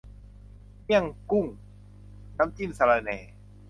เมี่ยงกุ้ง น้ำจิ้มสะระแหน่